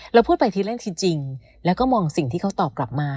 เราพูดไปทีเล่นทีจริงแล้วก็มองสิ่งที่เขาตอบกลับมา